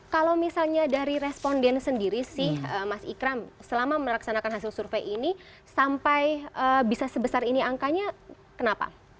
kalau misalnya dari responden sendiri sih mas ikram selama melaksanakan hasil survei ini sampai bisa sebesar ini angkanya kenapa